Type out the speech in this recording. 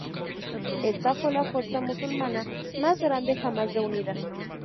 Esta fue la fuerza musulmana más grande jamás reunida.